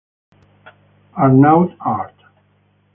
Arnaud Art